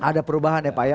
ada perubahan ya pak ya